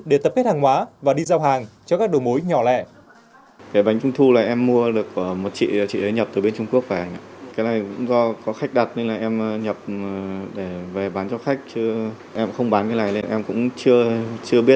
để tập kết hàng hóa và đi giao hàng cho các đầu mối nhỏ lẻ